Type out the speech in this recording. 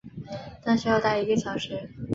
但是要待一个小时